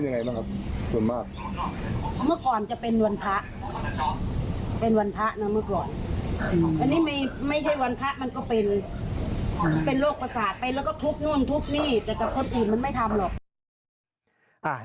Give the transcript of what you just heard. แล้วก็ทุบนู่นทุบนี่แต่จากคนอื่นมันไม่ทำหรอก